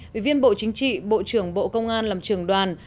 ủy viên bộ chính trị bộ trưởng bộ công an làm trường đoàn